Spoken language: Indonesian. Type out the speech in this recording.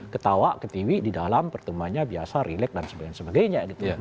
ketawa ketiwi di dalam pertemuan biasa relax dan sebagainya